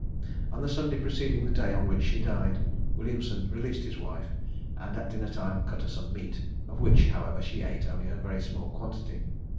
On the Sunday preceding the day on which she died, Williamson released his wife; and at dinner time cut her some meat, of which, however, she ate only a very small quantity.